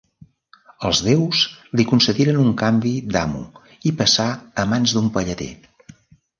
Els déus li concediren un canvi d'amo i passà a mans d'un pelleter.